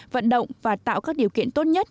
vận động và tạo các điều kiện tốt nhất